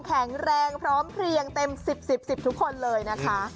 แข็งแรงพร้อมเพลียงเต็ม๑๐๑๐๑๐ทุกคนเลยนะคะ